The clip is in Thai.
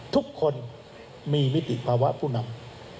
ทุกคนมีมิติภาวะผู้นำ